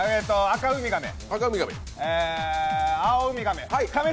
アカウミガメ。